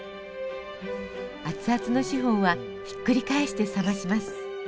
熱々のシフォンはひっくり返して冷まします。